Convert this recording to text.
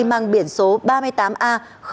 mang biển số ba mươi tám a tám mươi bốn nghìn hai mươi hai